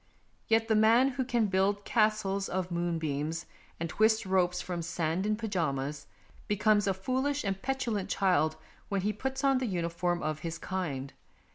Yet the man who can build castles of moonbeams and twist ropes from sand in pyjamas, be comes a foolish and petulant child when he puts on the uniform of his kind.